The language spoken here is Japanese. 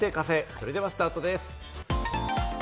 それではスタートです。